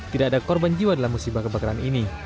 tidak ada korban jiwa dalam musibah kebakaran ini